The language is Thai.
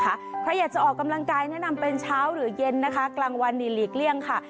ใครอยากจะออกกำลังกายแนะนำเป็นเช้าหรือเย็นนะคะกลางวันนี่หลีกเลี่ยงค่ะ